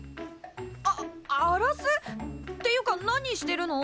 ああらす！？っていうか何してるの？